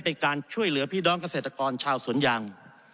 เป็นการช่วยเหลือพี่น้องเกษตรกรชาวสวนยาง